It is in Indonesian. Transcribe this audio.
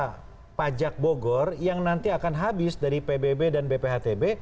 ada pajak bogor yang nanti akan habis dari pbb dan bphtb